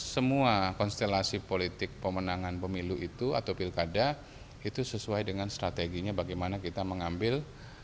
semua konstelasi politik pemenangan pemilu itu atau pilkada itu sesuai dengan strateginya bagaimana kita mengambil